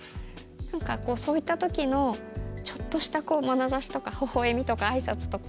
なんかこう、そういったときのちょっとしたまなざしとかほほえみとか挨拶とか。